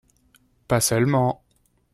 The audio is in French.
Pas seulement